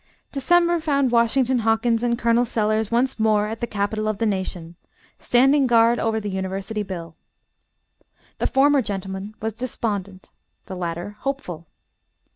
December 18 , found Washington Hawkins and Col. Sellers once more at the capitol of the nation, standing guard over the University bill. The former gentleman was despondent, the latter hopeful.